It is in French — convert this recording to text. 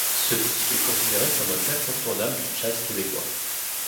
Ce disque est considéré comme un incontournable du jazz québécois.